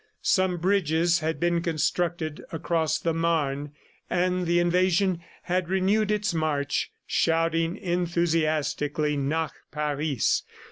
Some bridges had been constructed across the Marne and the invasion had renewed its march, shouting enthusiastically. "Nach Paris!"